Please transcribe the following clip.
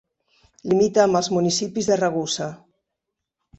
Limita amb els municipis de Ragusa.